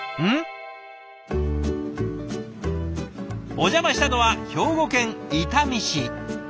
お邪魔したのは兵庫県伊丹市。